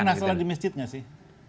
pernah selalu di masjidnya sih